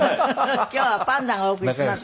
今日はパンダがお送りします？